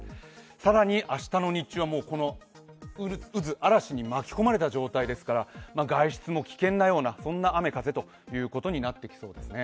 更に明日の日中は、この渦、嵐に巻き込まれた状態ですから外出も危険なような雨・風ということになってきそうですね。